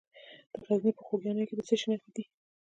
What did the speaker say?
د غزني په خوږیاڼو کې د څه شي نښې دي؟